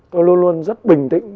tôi luôn luôn rất bình tĩnh